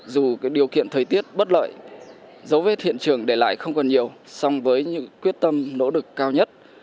dù điều kiện thời tiết bất lợi dấu vết hiện trường để lại không còn nhiều song với những quyết tâm nỗ lực cao nhất